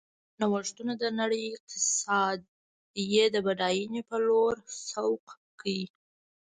نوښتونو د نړۍ اقتصاد یې د بډاینې په لور سوق کړ.